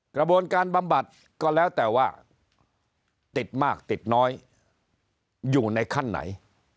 บำบัดก็แล้วแต่ว่าติดมากติดน้อยอยู่ในขั้นไหน